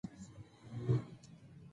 که پوهه وي نو بریا نه ورکیږي.